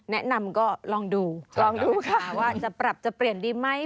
แนะนำก็ลองดูว่าจะปรับจะเปลี่ยนดีไหม